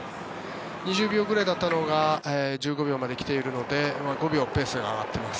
２０秒ぐらいだったのが１５秒で来ているので５秒ペースが上がっています。